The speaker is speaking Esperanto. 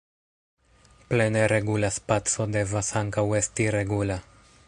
Plene regula spaco devas ankaŭ esti regula.